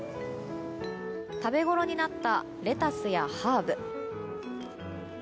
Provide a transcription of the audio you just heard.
食べごろになったレタスやハーブ。